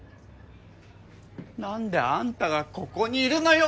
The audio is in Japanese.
何であんたがここにいるのよ